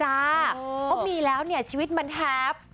เพราะมีแล้วเนี่ยชีวิตมันแฮป